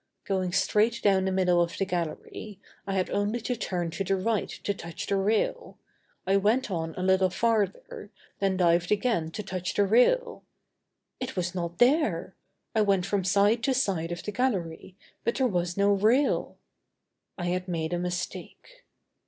Going straight down the middle of the gallery, I had only to turn to the right to touch the rail. I went on a little farther, then dived again to touch the rail. It was not there! I went from side to side of the gallery, but there was no rail! I had made a mistake.